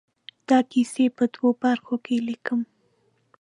دا کیسې په دوو برخو کې ليکم.